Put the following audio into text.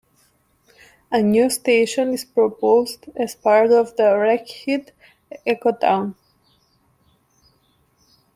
A new station is proposed as part of the Rackheath eco-town.